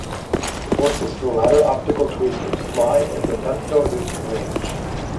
The forces of the latter optical tweezers lie in the femtonewton range.